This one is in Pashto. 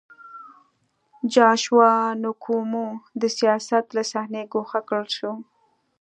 جاشوا نکومو د سیاست له صحنې ګوښه کړل شو.